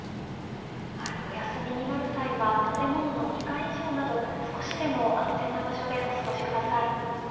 お休みになる際は建物の２階以上など少しでも安全な場所でお過ごしください。